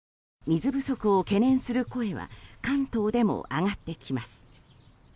水不足を懸念する声は関東でも上がってきます。